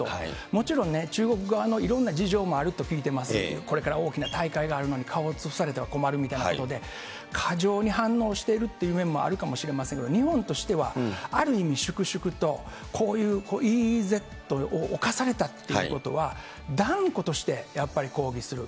もちろんね、中国側のいろんな事情もあると聞いてます、これから大きな大会があるのに顔を潰されては困るということで、過剰に反応しているという面もあるかもしれませんが、日本としては、ある意味、粛々と、こういうＥＥＺをおかされたということは、断固としてやっぱり抗議する。